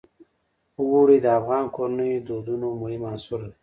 اوړي د افغان کورنیو د دودونو مهم عنصر دی.